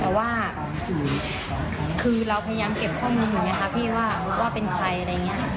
แต่ว่าคือเราพยายามเก็บข้อมูลอยู่ไงคะพี่ว่าเป็นใครอะไรอย่างนี้